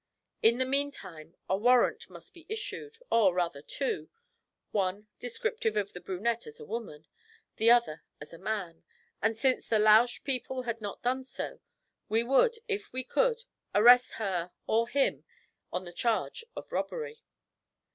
In the meantime a warrant must be issued, or rather two, one descriptive of the brunette as a woman, the other as a man; and since the Lausch people had not done so, we would, if we could, arrest her or him on the charge of robbery.